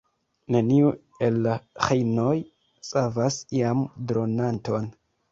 Neniu el la ĥinoj savas iam dronanton.